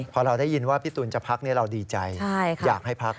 พอเราได้ยินว่าพี่ตูนจะพักเราดีใจอยากให้พัก